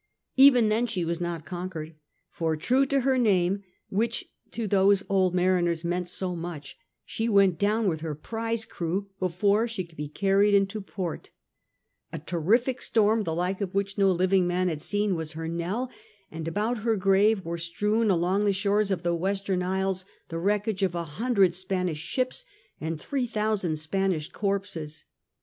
Even then she was not con quered. For true to her name, which to those old mariners meant so much, she went down with her prize crew before she could be carried into port A terrific 194 S/^ FRANCIS DRAKE chap. storm the like of which no living man had seen was her knell, and about her grave were strewed along the shores of the Western Isles the wreckage of a hundred Spanish ships and three thousand Spanish corpses.